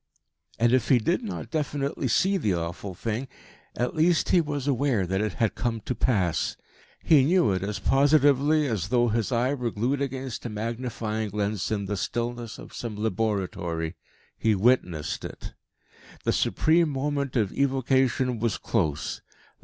And, if he did not definitely see the awful thing, at least he was aware that it had come to pass. He knew it as positively as though his eye were glued against a magnifying lens in the stillness of some laboratory. He witnessed it. The supreme moment of evocation was close.